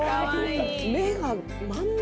目が真ん丸。